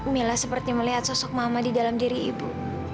mila seperti melihat sosok mama di dalam diri ibu